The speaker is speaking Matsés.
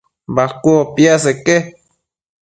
Bacuëbo piaseque